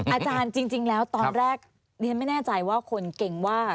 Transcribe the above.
อาจารย์จริงแล้วตอนแรกเรียนไม่แน่ใจว่าคนเก่งว่า